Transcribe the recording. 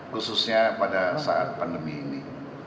khususnya pada saat pandemi ini